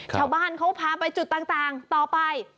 ชาวบ้านเขาพาไปจุดต่างต่อไป